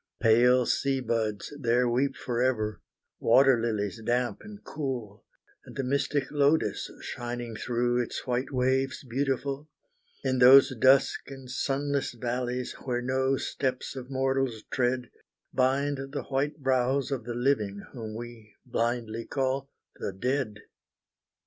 Pale sea buds there weep forever, water lilies damp and cool, And the mystic lotus shining through its white waves beautiful, In those dusk and sunless valleys, where no steps of mortals tread, Bind the white brows of the living, whom we blindly call the dead.